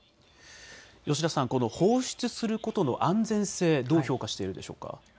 吉田さん、この放出することの安全性、どう評価していますか。